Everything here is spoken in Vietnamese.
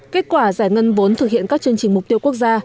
kết quả giải ngân vốn thực hiện các chương trình mục tiêu quốc gia